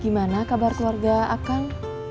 gimana kabar keluarga akan